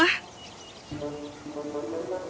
apa itu riasan